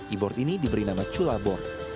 e board ini diberi nama cula board